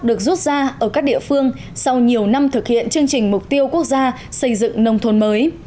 được rút ra ở các địa phương sau nhiều năm thực hiện chương trình mục tiêu quốc gia xây dựng nông thôn mới